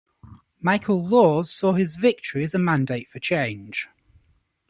Michael Laws saw his victory as a mandate for change.